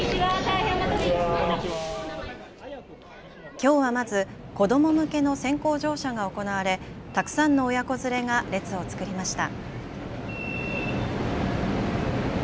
きょうはまず子ども向けの先行乗車が行われ、たくさんの親子連れが列を作りました。